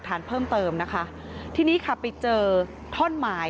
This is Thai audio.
เบอร์ลูอยู่แบบนี้มั้งเยอะมาก